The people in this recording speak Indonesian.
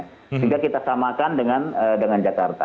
sehingga kita samakan dengan jakarta